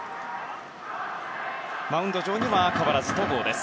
マウンド上には変わらず戸郷です。